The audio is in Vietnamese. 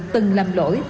từng làm lỗi